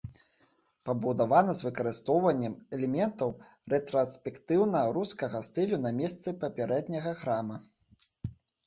Пабудавана з выкарыстаннем элементаў рэтраспектыўна-рускага стылю на месцы папярэдняга храма.